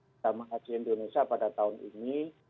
jemaah haji indonesia pada tahun ini